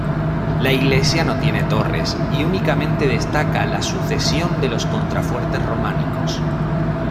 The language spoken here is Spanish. La iglesia no tiene torres y únicamente destaca la sucesión de los contrafuertes románicos.